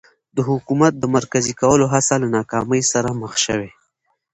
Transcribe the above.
د حکومت د مرکزي کولو هڅې له ناکامۍ سره مخ شوې.